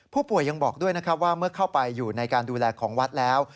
ผู้ป่วยยังบอกด้วยนะครับว่าเมื่อเข้าไปอยู่ในการดูแลของวัดแล้ว